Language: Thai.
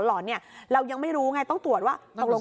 พอหลังจากเกิดเหตุแล้วเจ้าหน้าที่ต้องไปพยายามเกลี้ยกล่อม